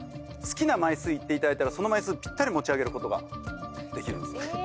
好きな枚数言っていただいたらその枚数ぴったり持ち上げることができるんですよ。